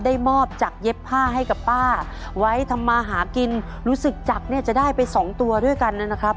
ได้มอบจากเย็บผ้าให้กับป้าไว้ทำมาหากินรู้สึกจักรเนี่ยจะได้ไปสองตัวด้วยกันนะครับ